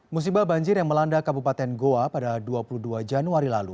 musibah banjir yang melanda kabupaten goa pada dua puluh dua januari lalu